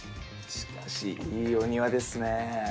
しかしいいお庭ですね。